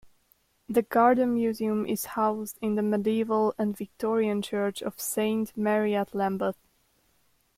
The Garden Museum is housed in the medieval and Victorian church of Saint Mary-at-Lambeth.